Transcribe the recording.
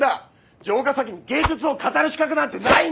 城ヶ崎に芸術を語る資格なんてないんだよ！